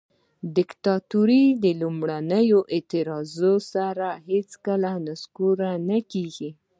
دیکتاتوري په لومړنیو اعتراضونو سره هیڅکله نه نسکوریږي.